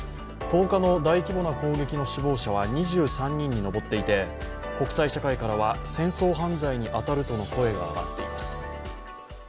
１０日の大規模な攻撃の死亡者は２３人に上っていて国際社会からは、戦争犯罪に当たるとの声が上がっています。